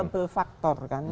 untuk faktor kan